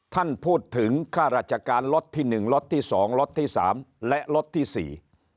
ท่านพูดถึงข้าราชการล็อตที่๑ล็อตที่๒ล็อตที่๓และล็อตที่๔